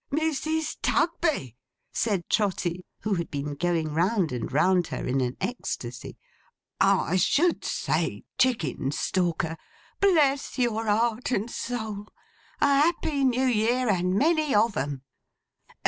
'Mrs. Tugby!' said Trotty, who had been going round and round her, in an ecstasy.—'I should say, Chickenstalker—Bless your heart and soul! A Happy New Year, and many of 'em!